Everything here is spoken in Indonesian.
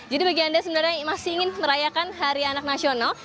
jadi bagi anda yang sebenarnya masih ingin merayakan hari anak nasional